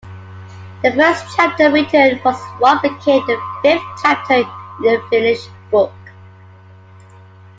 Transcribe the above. The first chapter written was what became the fifth chapter in the finished book.